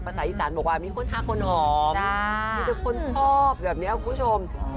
ภาษาอีสานบอกว่ามีคนหาคนหอมทุกคนชอบแบบนี้คุณคุณชมใช่